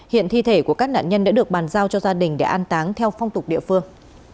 hiện thi thể của các nạn nhân đã được bàn giao cho gia đình để an táng theo phong tục địa phương